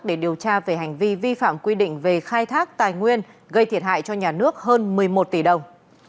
để điều tra về hành vi vi phạm quy định về khai thác tài nguyên gây thiệt hại cho nhà nước hơn một mươi một tỷ đồng